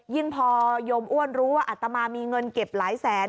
พอโยมอ้วนรู้ว่าอัตมามีเงินเก็บหลายแสน